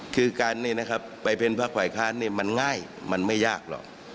คือการไปเป็นภาคฝ่ายค้านมันง่ายมันไม่ยากหรอก